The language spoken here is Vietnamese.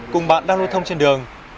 cùng bạn đang lưu thông trên đường